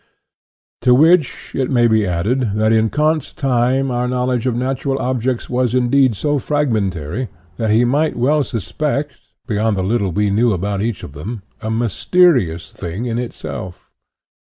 To which it may be added, that in Kant's time our knowledge of nat ural objects was indeed so fragmentary that he might well suspect, behind the little we knew about each of them, a mysterious " thing in itself."